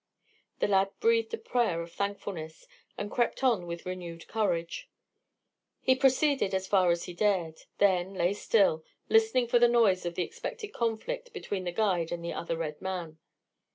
The lad breathed a prayer of thankfulness and crept on with renewed courage. He proceeded as far as he dared; then, lay still, listening for the noise of the expected conflict between the guide and the other red man.